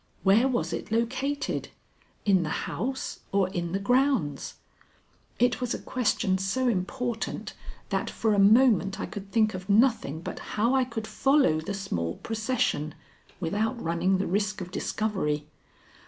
Where was it located in the house or in the grounds? It was a question so important that for a moment I could think of nothing but how I could follow the small procession, without running the risk of discovery.